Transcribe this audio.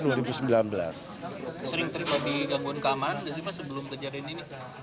sering terima di gangguan keamanan sebetulnya sebelum kejadian ini